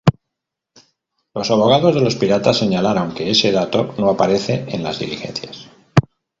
Los abogados de los piratas señalaron que ""ese dato no aparece en las diligencias"".